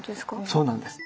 そうなんです。